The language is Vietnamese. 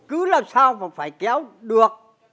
cứ làm sao mà phải kéo được